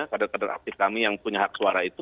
kader kader aktif kami yang punya hak suara itu